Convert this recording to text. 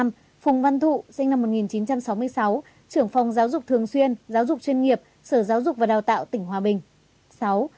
hai phùng văn thụ sinh năm một nghìn chín trăm sáu mươi sáu trưởng phòng giáo dục thường xuyên giáo dục chuyên nghiệp sở giáo dục và đào tạo tỉnh hòa bình